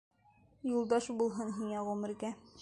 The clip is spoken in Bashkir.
Юлдаш булһын һиңә ғүмергә!